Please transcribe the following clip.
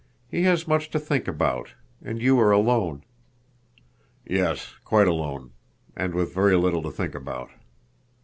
"He has much to think about. And you are alone." "Yes, quite alone. And with very little to think about."